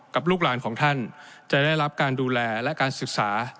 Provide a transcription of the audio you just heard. ลูกหลานของท่านจะได้รับการดูแลและการศึกษา